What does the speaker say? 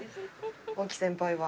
大木先輩は？